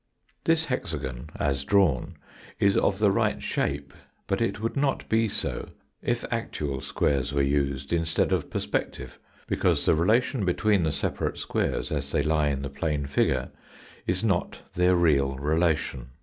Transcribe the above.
This hexagon, as drawn, is of the right shape, but it would not be so if actual squares were used instead of perspective, because the relation between the separate squares as they lie in the plane figure is not their real relation.